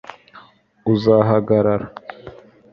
uzahagarara